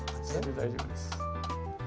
大丈夫です。